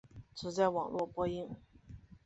只在网络播映。